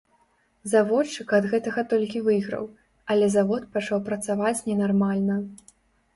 Заводчык ад гэтага толькі выйграў, але завод пачаў працаваць ненармальна.